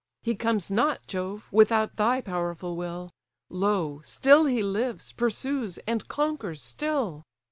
He comes not, Jove! without thy powerful will; Lo! still he lives, pursues, and conquers still!